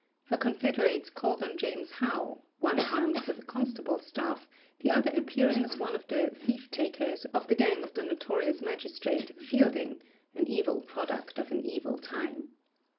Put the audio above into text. Her confederates called on James How, one armed with a constable's staff, the other appearing as one of the "thief takers" of the gang of the notorious magistrate, Fielding an evil product of an evil time.